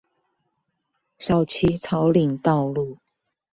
小旗草嶺道路